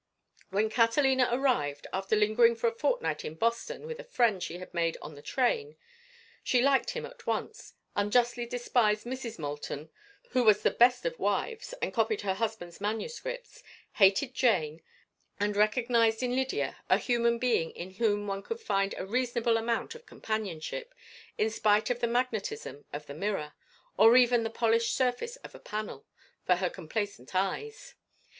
When Catalina arrived, after lingering for a fortnight in Boston with a friend she had made on the train, she liked him at once, unjustly despised Mrs. Moulton, who was the best of wives and copied her husband's manuscripts, hated Jane, and recognized in Lydia a human being in whom one could find a reasonable amount of companionship, in spite of the magnetism of the mirror—or even the polished surface of a panel—for her complacent eyes.